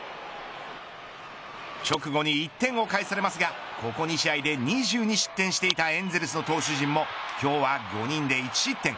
直後に１点を返されますがここ２試合で２２失点していたエンゼルスの投手陣も今日は５人で１失点。